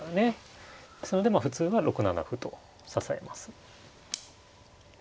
それでも普通は６七歩と支えます。